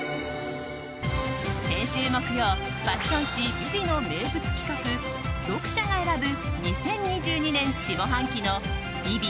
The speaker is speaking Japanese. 先週木曜、ファッション誌「ＶｉＶｉ」の名物企画読者が選ぶ２０２２年下半期の「ＶｉＶｉ」